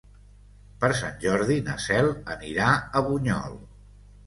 Per Sant Jordi na Cel anirà a Bunyol.